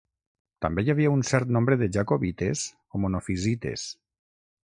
També hi havia un cert nombre de jacobites o monofisites.